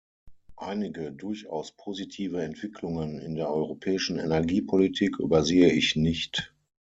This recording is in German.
Einige durchaus positive Entwicklungen in der europäischen Energiepolitik übersehe ich nicht.